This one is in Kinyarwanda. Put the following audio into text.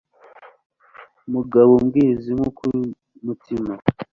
Mugabo ubwiriza inkuku umutima